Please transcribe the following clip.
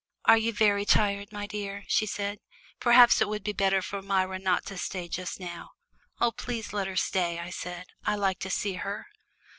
"Are you very tired, my dear?" she said. "Perhaps it would be better for Myra not to stay just now." "Oh, please let her stay," I said; "I like to see her."